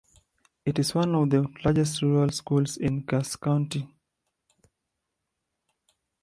It is one of the largest rural schools in Cass County.